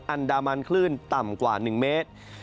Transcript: อันดามันคลื่นต่ำกว่า๑เมตร